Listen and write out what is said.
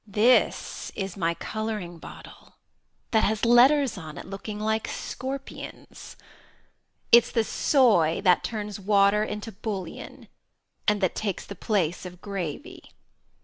Cook. This is my colouring bottle that has letters on it looking like scorpions. It's the soy that turns water into bouillon, and that takes the place of gravy.